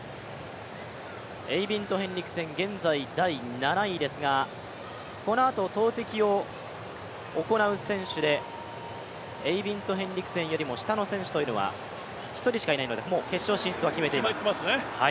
エイビンド・ヘンリクセン、現在第７位ですが、このあと投てきを行う選手で、エイビンド・ヘンリクセンよりも下の選手というのは１人しかいないので決勝進出は決めています。